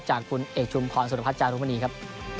จากคุณเอกุร์นชุมพรสุนภัทรจาธุพณีครับ